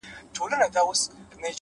لوړ شخصیت په عاجزۍ ښکاري,